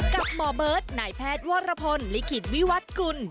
กับหมอเบิร์ตนายแพทย์วรพลลิขิตวิวัตรกุล